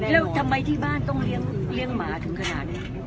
แล้วทำไมที่บ้านต้องเลี้ยงหมาถึงขนาดนี้